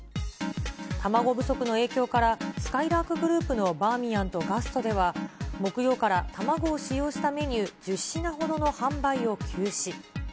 卵不足の影響からすかいらーくグループのバーミヤンとガストでは、木曜から卵を使用したメニュー１０品ほどの販売を休止。